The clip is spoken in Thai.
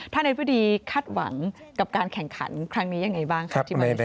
ท่านเอฟดีคาดหวังกับการแข่งขันครั้งนี้ยังไงบ้างครับที่บริเศษ